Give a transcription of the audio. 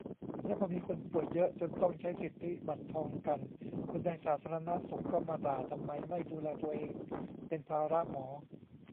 "แล้วพอมีคนป่วยเยอะ จนต้องใช้สิทธิบัตรทองกัน คนในสาธารณสุขก็มาด่า ทำไมไม่ดูแลตัวเอง เป็นภาระหมอ"